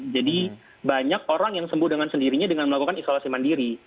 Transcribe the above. jadi banyak orang yang sembuh dengan sendirinya dengan melakukan isolasi mandiri